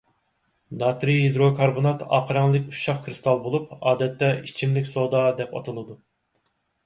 ناترىي ھىدروكاربونات ئاق رەڭلىك ئۇششاق كىرىستال بولۇپ، ئادەتتە «ئىچىملىك سودا» دەپ ئاتىلىدۇ.